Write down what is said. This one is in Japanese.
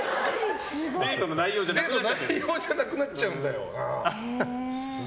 デートの内容じゃなくなっちゃうんだよな。